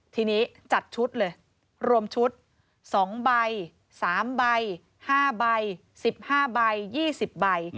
ทีนี้จัดชุดเลยรวมชุด๒ใบ๓ใบ๕ใบ๑๕ใบ๒๐ใบ